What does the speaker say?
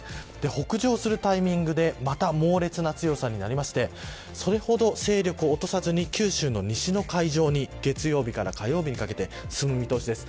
北上するタイミングでまた猛烈な強さになりましてそれほど勢力を落とさずに九州の西の海上に月曜日から火曜日にかけて進む見通しです。